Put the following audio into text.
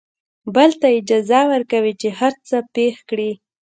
بل ته اجازه ورکوي چې هر څه پېښ کړي.